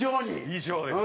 以上です。